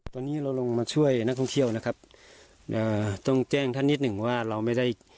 ตอนนี้เราลงมาช่วยนักท่องเที่ยวนะครับอ่าต้องแจ้งท่านนิดหนึ่งว่าเราไม่ได้